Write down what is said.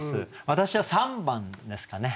私は３番ですかね。